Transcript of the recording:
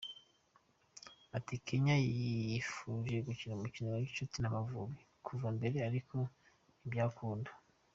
Ati “Kenya yifuje gukina umukino wa gicuti n’Amavubi kuva mbere ariko ntibyakunda.